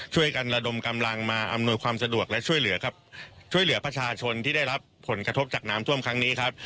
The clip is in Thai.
ช่วยกันระดมกำลังมาอำนวยความสะดวกและช่วยเหลือประชาชนที่ได้รับผลกระทบจากน้ำท่วมครั้งนี้ครับ